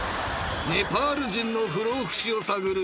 ［ネパール人の不老不死を探る。